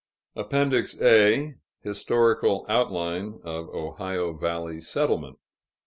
APPENDIX A. Historical outline of Ohio Valley settlement.